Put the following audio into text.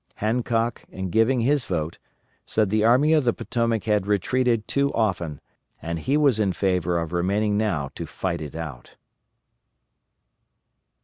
Hancock, in giving his vote, said the Army of the Potomac had retreated too often, and he was in favor of remaining now to fight it out.